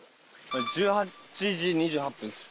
１８時２８分ですよ。